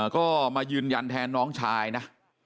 ก็มายืนยันแทนน้องชายนะ